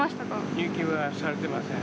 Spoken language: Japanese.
入金はされてません。